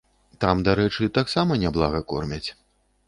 Там, дарэчы, таксама няблага кормяць.